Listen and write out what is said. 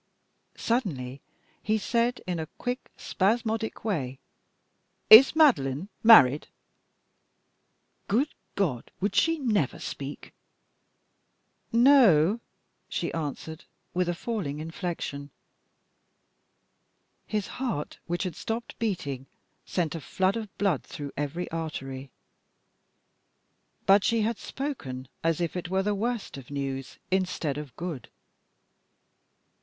Suddenly he said, in a quick, spasmodic way "Is Madeline married?" Good God! Would she never speak! "No," she answered, with a falling inflection. His heart, which had stopped beating, sent a flood of blood through every artery. But she had spoken as if it were the worst of news, instead of good.